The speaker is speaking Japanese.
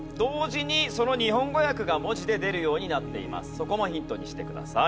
そこもヒントにしてください。